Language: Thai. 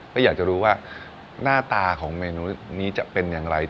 ก็อยากจะรู้ว่าหน้าตาของเมนูนี้จะเป็นอย่างไร